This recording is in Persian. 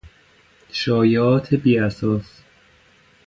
شایعات بیاساس